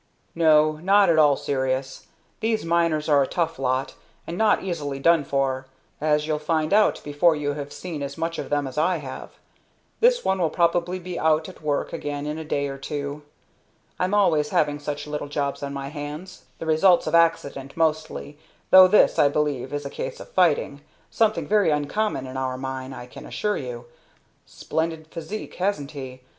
"No. Not at all serious. These miners are a tough lot, and not easily done for, as you'll find out before you have seen as much of them as I have. This one will probably be out and at work again in a day or two. I'm always having such little jobs on my hands, the results of accident, mostly, though this, I believe, is a case of fighting, something very uncommon in our mine, I can assure you. Splendid physique, hasn't he?